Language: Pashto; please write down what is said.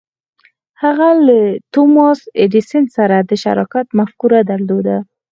هغه له توماس ایډېسن سره د شراکت مفکوره درلوده.